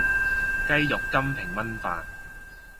雞肉金平炊飯